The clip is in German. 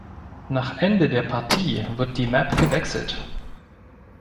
Nach Ende der Partie wird die Map gewechselt.